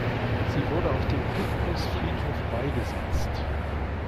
Sie wurde auf dem Picpus-Friedhof beigesetzt.